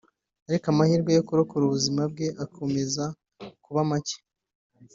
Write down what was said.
ariko amahirwe yo kurokora ubuzima bwe akomeza kuba make